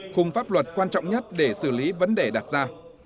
khung pháp luật quan trọng nhất để xử lý vấn đề đặt ra